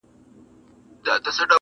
درېغه که مي ژوندون وي څو شېبې لکه حُباب,